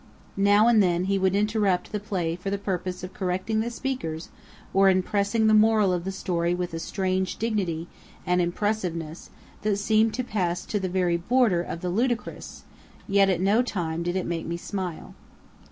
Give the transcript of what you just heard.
Now and then he would interrupt the play for the purpose of correcting the speakers or impressing the moral of the story with a strange dignity and impressiveness that seemed to pass to the very border of the ludicrous; yet at no time did it make me smile.